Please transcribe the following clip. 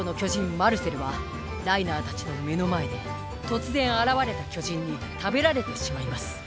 マルセルはライナーたちの目の前で突然現れた巨人に食べられてしまいます